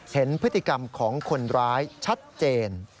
เห็นพฤติกรรมของคนร้ายชัดเจน